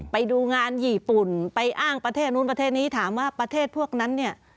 ไปดูงานญี่ปุ่นไปอ้างประเทศนู้นประเทศนี้ถามว่าประเทศพวกนั้นเนี่ย